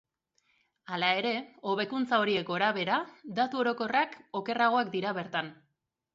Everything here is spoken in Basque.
Hala ere, hobekuntza horiek gorabehera, datu orokorrak okerragoak dira bertan.